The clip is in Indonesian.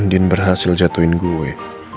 andin berhasil jatuhin gue